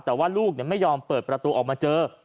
แต่ว่าลูกไม่ยอมเปิดประตูออกมาเจอ